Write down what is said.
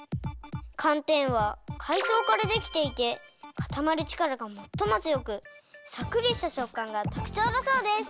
かんてんはかいそうからできていてかたまるちからがもっともつよくさっくりしたしょっかんがとくちょうだそうです！